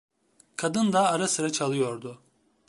Kadın da ara sıra çalıyordu.